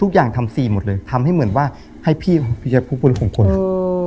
ทุกอย่างทำสี่หมดเลยทำให้เหมือนว่าให้พี่พี่แจ๊คผู้ปลูกของคนเออ